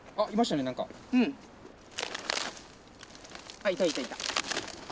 あっいたいたいた。